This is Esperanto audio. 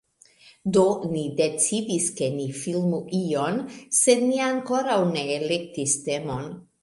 Do, ni decidis ke ni filmu ion sed ni ankoraŭ ne elektis temon